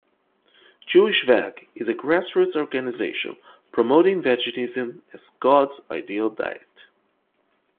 Jewish Veg is a grassroots organization promoting veganism as "God's ideal diet".